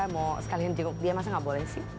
mau sekalian jenguk dia masa nggak boleh sih